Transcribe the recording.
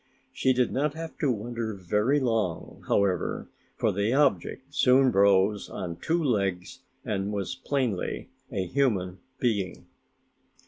She did not have to wonder very long, however, for the object soon rose on two legs and was plainly a human being.